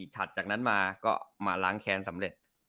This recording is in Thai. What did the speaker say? ถัดจากนั้นมาก็มาล้างแค้นสำเร็จ